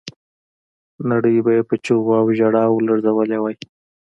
نړۍ به یې په چیغو او ژړاو لړزولې وای.